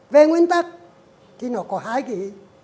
về nguyên tắc thì nó có hai ký